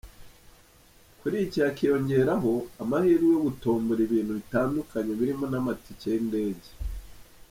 Kuri iki hakiyongeraho amahirwe yo gutombora ibintu bitandukanye birimo n’amatike y’indege.